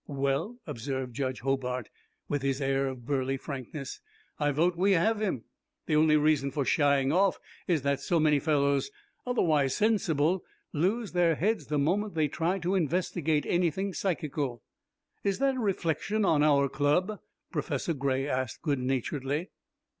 "Well," observed Judge Hobart, with his air of burly frankness, "I vote we have him. The only reason for shying off is that so many fellows, otherwise sensible, lose their heads the moment they try to investigate anything psychical." "Is that a reflection on our Club?" Professor Gray asked good naturedly.